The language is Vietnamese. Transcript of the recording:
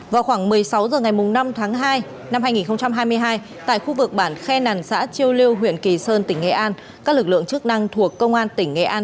vào khoảng một mươi sáu h ngày năm tháng hai năm hai nghìn hai mươi hai tại khu vực bản khe nàn xã chiêu lưu huyện kỳ sơn tỉnh nghệ an các lực lượng chức năng thuộc công an tỉnh nghệ an